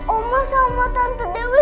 oma sama tante dewi